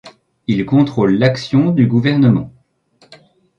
Il contrôle l'action du Gouvernement.